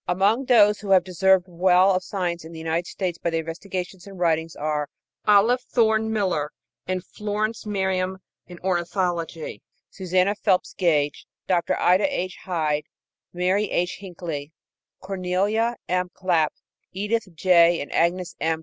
Among those who have deserved well of science in the United States by their investigations and writings are Olive Thorne Miller and Florence Merriam in ornithology; Susanna Phelps Gage, Dr. Ida H. Hyde, Mary H. Hinckley, Cornelia M. Clapp, Edith J. and Agnes M.